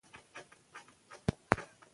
د ریګ دښتې د افغانستان د موسم د بدلون سبب کېږي.